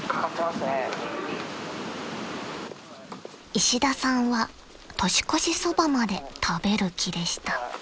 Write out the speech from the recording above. ［石田さんは年越しそばまで食べる気でした］